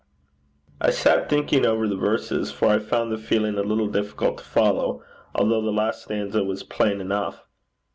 I sat thinking over the verses, for I found the feeling a little difficult to follow, although the last stanza was plain enough.